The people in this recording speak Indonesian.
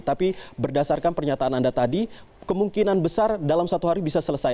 tapi berdasarkan pernyataan anda tadi kemungkinan besar dalam satu hari bisa selesai